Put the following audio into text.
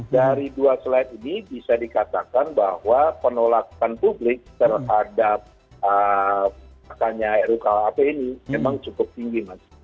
dari dua slide ini bisa dikatakan bahwa penolakan publik terhadap rukuhp ini memang cukup tinggi mas